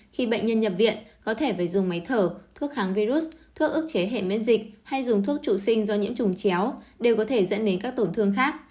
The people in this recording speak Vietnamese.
khi bệnh nhân nhập viện có thể phải dùng máy thở thuốc kháng virus thuốc ức chế hệ miễn dịch hay dùng thuốc trụ sinh do nhiễm trùng chéo đều có thể dẫn đến các tổn thương khác